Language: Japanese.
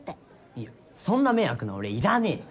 いやそんな迷惑なお礼いらねえよ！